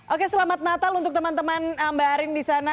oke selamat natal untuk teman teman mbak arin di sana